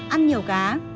ăn nhiều cá